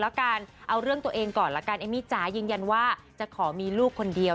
แล้วกันเอาเรื่องตัวเองก่อนละกันเอมมี่จ๋ายืนยันว่าจะขอมีลูกคนเดียว